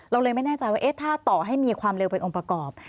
เราเลยไม่แน่ใจว่าถ้าต่อให้มีความเร็วเป็นองค์ประกอบ